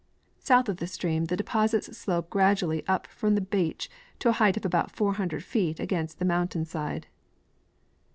South of the stream the deposits slope gradually up from the beach to a height of about 400 feet against the mountain side.